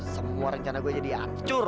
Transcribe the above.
semua rencana gue jadi hancur